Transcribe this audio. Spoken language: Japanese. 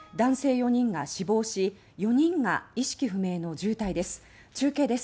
４人が死亡し４人が意識不明の重体です。